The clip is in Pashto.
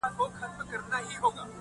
درته به وايي ستا د ښاريې سندري.